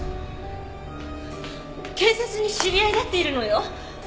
警察に知り合いだっているのよ。